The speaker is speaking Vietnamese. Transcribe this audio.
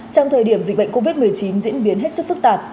trong thời điểm dịch bệnh covid một mươi chín diễn biến hết sức phức tạp